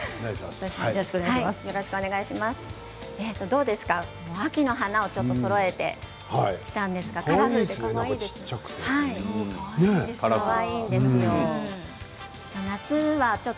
どうですか、秋の花をそろえてきたんですが、かわいいでしょ。